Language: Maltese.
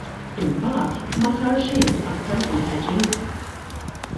Imbagħad ma sar xejn aktar fil-hedging.